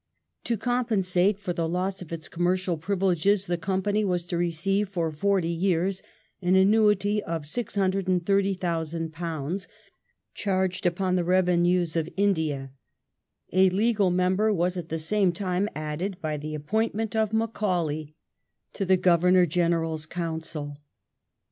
To compensate for the loss of its commercial privilege the Company was to receive for forty years an annuity of £630,000, charged upon the revenues of India. A legal member was at the same time added by the appointment of Macau lay to the Governor General's Council.